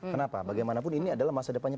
kenapa bagaimanapun ini adalah masa depannya